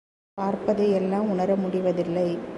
பார்ப்பதை யெல்லாம் உணர முடிவதில்லை.